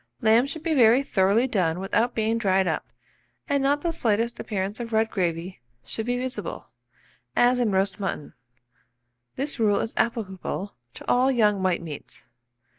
Lamb should be very thoroughly done without being dried up, and not the slightest appearance of red gravy should be visible, as in roast mutton: this rule is applicable to all young white meats.